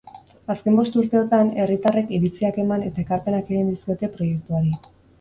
Azken bost urteotan, herritarrek iritziak eman eta ekarpenak egin dizkiote proiektuari.